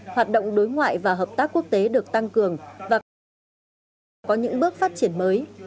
hoạt động đối ngoại và hợp tác quốc tế được tăng cường và có những bước phát triển mới